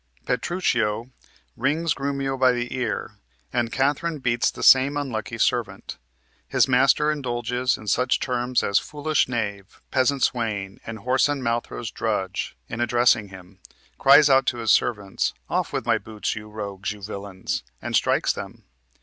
Petruchio "wrings Grumio by the ear," and Katherine beats the same unlucky servant. His master indulges in such terms as "foolish knave," "peasant swain," and "whoreson malthorse drudge" in addressing him; cries out to his servants, "off with my boots, you rogues, you villains!" and strikes them.